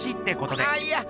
あいや